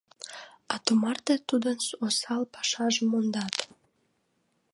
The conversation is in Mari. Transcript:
А тумарте тудын осал пашажым мондат.